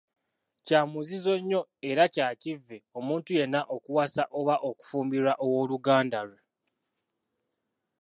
Kya muzizo nnyo era kya kivve, omuntu yenna okuwasa oba okufumbirwa ow’oluganda lwe!